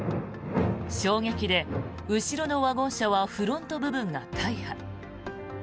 衝撃で後ろのワゴン車はフロント部分が大破。